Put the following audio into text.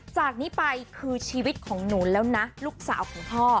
จากนี้ไปคือชีวิตของหนูแล้วนะลูกสาวของพ่อ